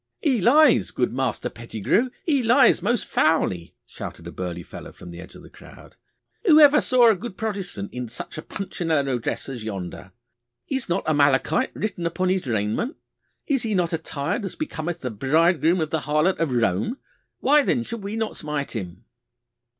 'He lies, good Master Pettigrue, he lies most foully,' shouted a burly fellow from the edge of the crowd. 'Who ever saw a good Protestant in such a Punchinello dress as yonder? Is not Amalekite written upon his raiment? Is he not attired as becometh the bridegroom of the harlot of Rome? Why then should we not smite him?